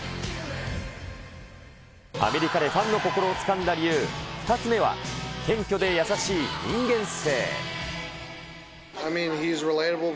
アメリカでファンの心をつかんだ理由、２つ目は謙虚で優しい人間性。